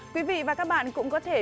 quý vị và các bạn cũng có thể